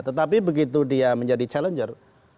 tetapi begitu dia menjadi challenger